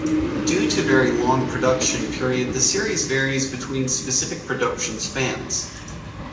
Due to very long production period the series varies between specific production spans.